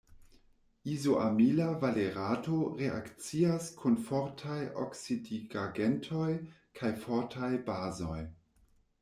Izoamila valerato reakcias kun fortaj oksidigagentoj kaj fortaj bazoj.